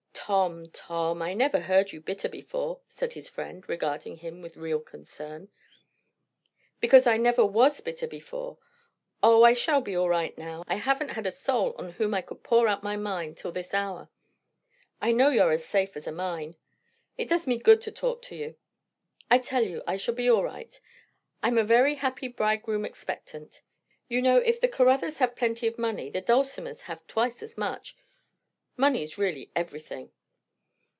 "Tom, Tom, I never heard you bitter before," said his friend, regarding him with real concern. "Because I never was bitter before. O, I shall be all right now. I haven't had a soul on whom I could pour out my mind, till this hour. I know you're as safe as a mine. It does me good to talk to you. I tell you, I shall be all right. I'm a very happy bridegroom expectant. You know, if the Caruthers have plenty of money, the Dulcimers have twice as much. Money's really everything."